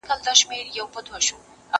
قلمان د زده کوونکي له خوا پاکيږي!